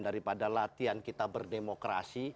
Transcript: daripada latihan kita berdemokrasi